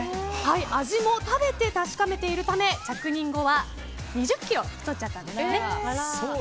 味も食べて確かめているため着任後は２０ｋｇ太っちゃったんですよね。